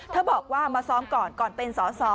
บอกว่ามาซ้อมก่อนก่อนเป็นสอสอ